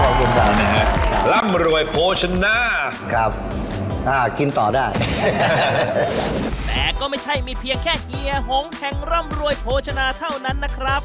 แต่ก็ไม่ใช่มีเพียงแค่เฮียหงแห่งร่ำรวยโภชนาเท่านั้นนะครับ